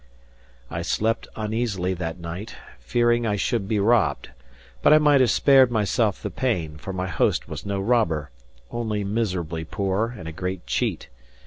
I slept uneasily that night, fearing I should be robbed; but I might have spared myself the pain; for my host was no robber, only miserably poor and a great cheat.